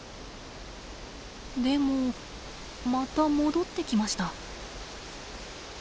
でもまた戻ってきました。